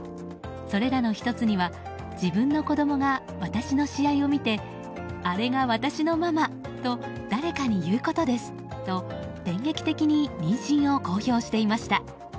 それらの１つには自分の子供が私の試合を見てあれが私のママと誰かに言うことですと電撃的に妊娠を公表していました。